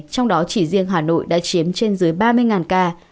trong đó chỉ riêng hà nội đã chiếm trên dưới ba mươi ca